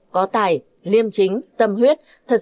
có tài liêm chính tâm huyết